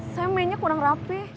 semennya kurang rapi